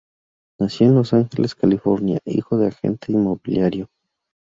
Nació en Los Ángeles, California, hijo de un agente inmobiliario.